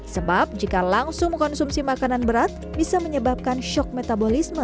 sebab jika langsung mengkonsumsi makanan berat bisa menyebabkan shock metabolisme